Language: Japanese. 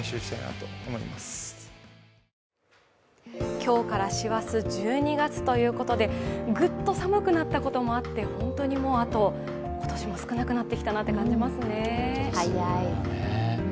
今日から師走、１２月ということでグッと寒くなったこともあって、本当にあと今年も少なくなってきたなという感じがしますね。